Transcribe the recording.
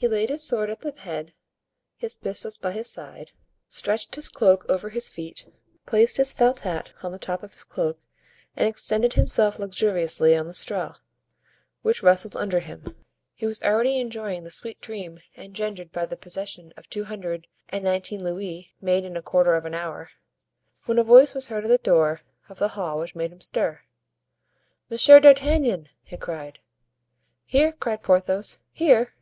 He laid his sword at the head, his pistols by his side, stretched his cloak over his feet, placed his felt hat on the top of his cloak and extended himself luxuriously on the straw, which rustled under him. He was already enjoying the sweet dream engendered by the possession of two hundred and nineteen louis, made in a quarter of an hour, when a voice was heard at the door of the hall, which made him stir. "Monsieur d'Artagnan!" it cried. "Here!" cried Porthos, "here!"